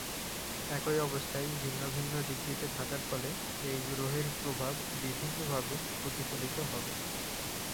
একই অবস্থায় ভিন্ন ভিন্ন ডিগ্রিতে থাকার ফলে সেই গ্রহের প্রভাব বিভিন্নভাবে প্রতিফলিত হবে।